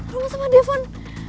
rumah sama devon